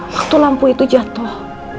waktu lampu itu jatuh